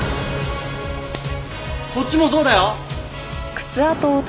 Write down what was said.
こっちもそうだよ！